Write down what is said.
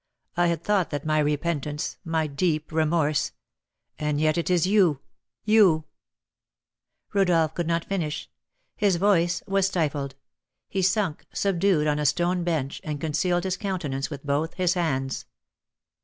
I had thought that my repentance my deep remorse and yet it is you you " Rodolph could not finish; his voice was stifled; he sunk, subdued, on a stone bench, and concealed his countenance with both his hands.